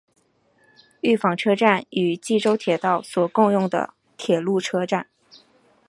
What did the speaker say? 御坊车站与纪州铁道所共用的铁路车站。